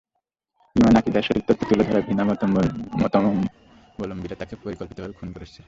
ইমান আকিদার সঠিক তথ্য তুলে ধরায় ভিন্নমতাবলম্বীরা তাঁকে পরিকল্পিতভাবে খুন করেছে।